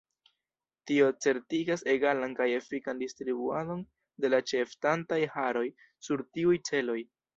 Tio certigas egalan kaj efikan distribuadon de la ĉeestantaj haroj sur tiuj ĉeloj.